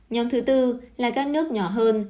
nhóm thứ bốn là các nước nhỏ hơn